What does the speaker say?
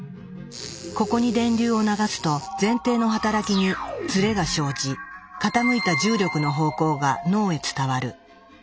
ここに電流を流すと前庭の働きにズレが生じ傾いた重力の方向が脳へ伝わる。